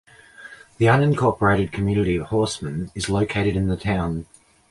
The unincorporated community of Horseman is located in the town.